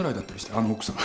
あの奥さん。